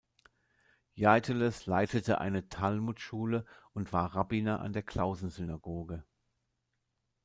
Jeitteles leitete eine Talmudschule und war Rabbiner an der Klausen-Synagoge.